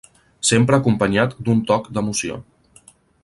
Sempre acompanyat d'un toc d'emoció.